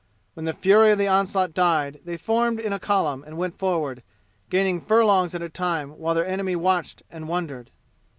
When the fury of the onslaught died they formed in column and went forward, gaining furlongs at a time while their enemy watched them and wondered.